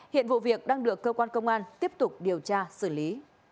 hiện vụ việc đang được cơ quan công an tiếp tục điều tra xử lý